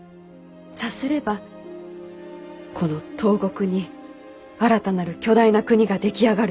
さすればこの東国に新たなる巨大な国が出来上がるも同じ。